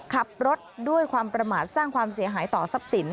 ขับรถด้วยความประมาทสร้างความเสียหายต่อทรัพย์สิน